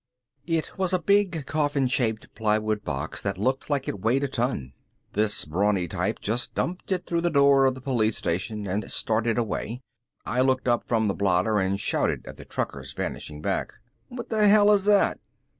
It was a big, coffin shaped plywood box that looked like it weighed a ton. This brawny type just dumped it through the door of the police station and started away. I looked up from the blotter and shouted at the trucker's vanishing back. "What the hell is that?"